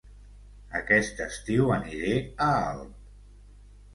Aquest estiu aniré a Alp